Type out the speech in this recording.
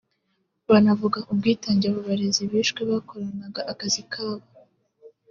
banavuga ubwitange abo barezi bishwe bakoranaga akazi kabo